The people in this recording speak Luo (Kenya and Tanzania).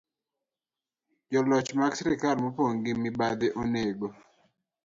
Joloch mag sirkal mopong ' gi mibadhi onego